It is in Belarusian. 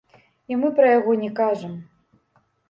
І мы пра яго не кажам.